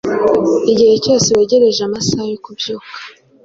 igihe cyose wegereje amasaha yo kubyuka